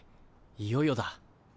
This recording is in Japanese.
いよいよだ。